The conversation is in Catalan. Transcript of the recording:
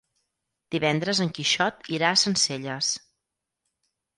Divendres en Quixot irà a Sencelles.